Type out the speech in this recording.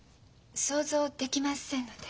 想像できませんので。